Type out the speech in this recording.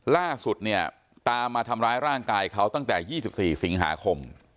ล่าสุดเนี่ยตามมาทำร้ายร่างกายเขาตั้งแต่๒๔สิงหาคม